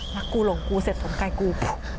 รักกูหลงกูเสร็จก่อนใกล้กู